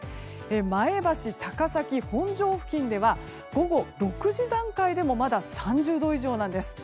前橋、高崎、本庄付近では午後６時段階でもまだ３０度以上なんです。